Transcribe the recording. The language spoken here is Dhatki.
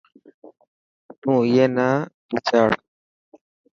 تون اي نا ڀيچاڙ.